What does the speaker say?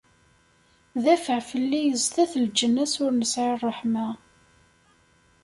Dafeɛ fell-i sdat lǧens ur nesɛi ṛṛeḥma!